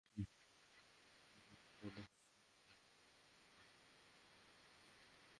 মেয়েটির মনের ভেতরকার গোপন অন্ধকার এক-এক করে আলোতে বের করে নিয়ে এসেছেন।